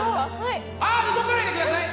あ、動かないでください！